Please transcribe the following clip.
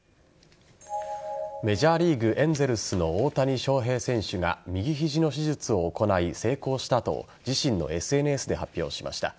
メジャーリーグエンゼルスの大谷翔平選手が右肘の手術を行い成功したと自身のＳＮＳで発表しました。